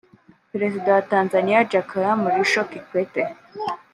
Perezida wa Tanzania Jakaya Mrisho Kikwete